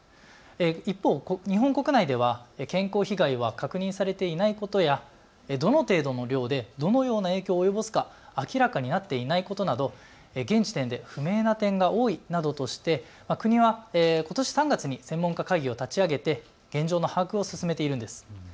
一方、日本国内では健康被害は確認されていないことやどの程度の量でどのような影響を及ぼすか、明らかになっていないことなど、現時点で不明な点が多いなどとして国はことし３月に専門家会議を立ち上げて現状の把握を進めているんです。